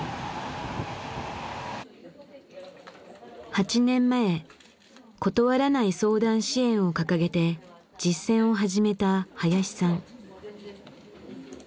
８年前「断らない相談支援」を掲げて実践を始めた林さん。